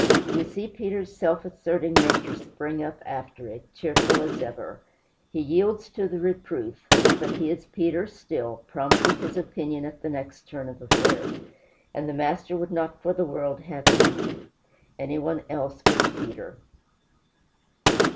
We see Peter's self asserting nature spring up after it, cheerful as ever. He yields to the reproof; but he is Peter still, prompt with his opinion at the next turn of affairs, and the Master would not for the world have him anybody else but Peter.